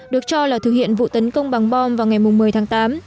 được cho là thực hiện vụ tấn công bằng bom vào ngày một mươi tháng tám